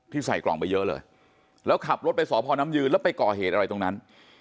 ใส่กล่องไปเยอะเลยแล้วขับรถไปสพน้ำยืนแล้วไปก่อเหตุอะไรตรงนั้น